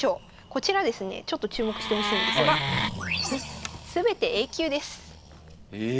こちらですねちょっと注目してほしいんですがすべてＡ級です。え！